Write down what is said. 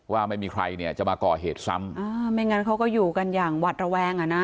ว่าไม่มีใครเนี่ยจะมาก่อเหตุซ้ำอ่าไม่งั้นเขาก็อยู่กันอย่างหวัดระแวงอ่ะนะ